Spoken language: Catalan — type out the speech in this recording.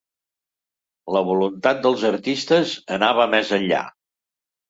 La voluntat dels artistes anava més enllà.